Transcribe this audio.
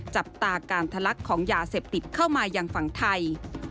จับตาการทะลักของยาเสพติดเข้ามายังฝั่งไทย